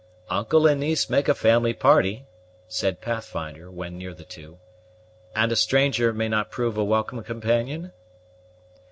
"Uncle and niece make a family party," said Pathfinder, when near the two, "and a stranger may not prove a welcome companion?"